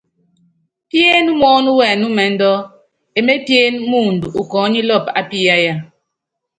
Piéné muɔ́nɔ́wɛnúmɛndú, emépíéne muundɔ ukɔɔ́nílɔpɔ ápiyáya.